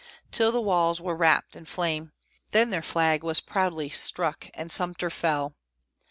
Till the walls were wrapped in flame, Then their flag was proudly struck, and Sumter fell!